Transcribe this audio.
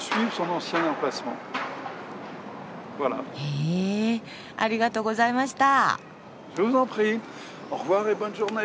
へえありがとうございました。